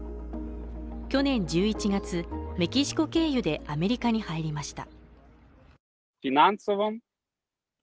去年１１月メキシコ経由でアメリカに入りました